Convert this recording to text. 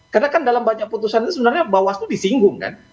karena kan dalam banyak putusan itu sebenarnya bahwa itu disinggung kan